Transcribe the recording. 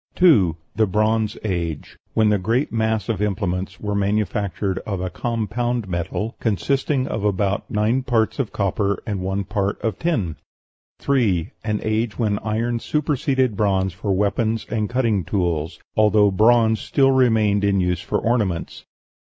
2. The Bronze Age, when the great mass of implements were manufactured of a compound metal, consisting of about nine parts of copper and one part of tin. 3. An age when iron superseded bronze for weapons and cutting tools, although bronze still remained in use for ornaments.